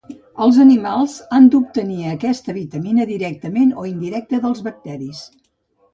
Els animals han d'obtenir aquesta vitamina directament o indirecta dels bacteris.